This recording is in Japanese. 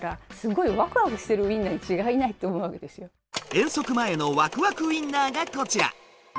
遠足前のワクワクウインナーがこちら！